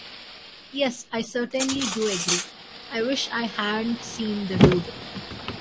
Yes I certainly do agree—I wish I hadn't seen the dude.